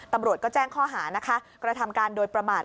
ตำรวจก็แจ้งข้อหานะคะกระทำการโดยประมาท